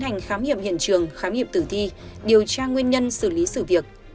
hành khám hiểm hiện trường khám hiểm tử thi điều tra nguyên nhân xử lý xử việc